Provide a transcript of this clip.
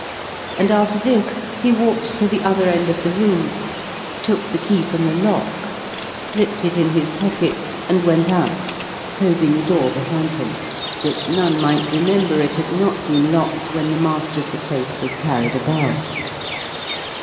And after this he walked to the other end of the room, took the key from the lock, slipped it in his pocket, and went out, closing the door behind him, that none might remember it had not been locked when the master of the place was carried above.